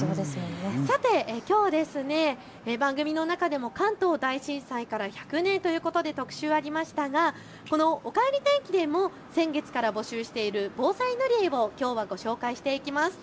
さてきょう番組の中でも関東大震災から１００年ということで特集がありましたがこのおかえり天気でも先月から募集している防災塗り絵をきょうはご紹介していきます。